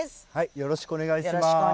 よろしくお願いします。